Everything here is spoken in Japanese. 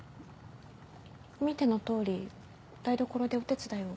見ての通り台所でお手伝いを。